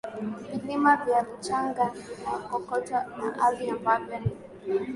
Vilima vya mchanga na kokoto na ardhi ambavyo ni